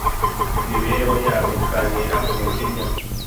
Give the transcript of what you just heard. imibereho yabo ikantera umujinya